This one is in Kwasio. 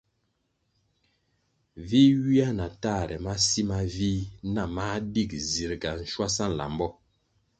Vi ywia na tahre ma si ma vih nah mā dig zirʼga shwasa nlambo.